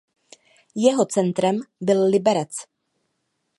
Jeho centrem byl Liberec.